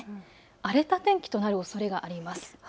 荒れた天気となるおそれがあります。